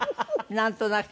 なんとなく。